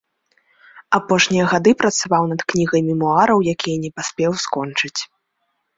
Апошнія гады працаваў над кнігай мемуараў, якія не паспеў скончыць.